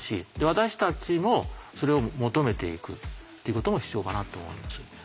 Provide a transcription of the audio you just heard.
私たちもそれを求めていくっていうことも必要かなと思います。